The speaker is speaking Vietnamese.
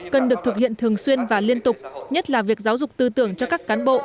cần được thực hiện thường xuyên và liên tục nhất là việc giáo dục tư tưởng cho các cán bộ